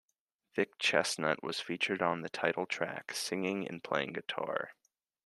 Vic Chestnutt was featured on the title track, singing and playing guitar.